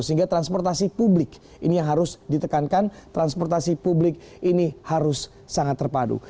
sehingga transportasi publik ini yang harus ditekankan transportasi publik ini harus sangat terpadu